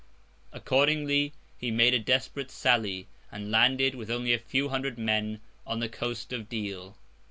Accordingly he made a desperate sally, and landed, with only a few hundred men, on the coast of Deal.